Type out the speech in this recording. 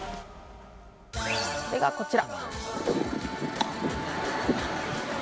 それが、こちら。